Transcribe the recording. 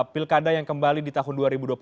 pilkada yang kembali di tahun dua ribu dua puluh